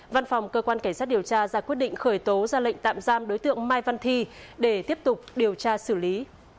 văn phòng cơ quan cảnh sát điều tra ra quyết định khởi tố ra lệnh tạm giam đối tượng mai văn thi để tiếp tục điều tra xử lý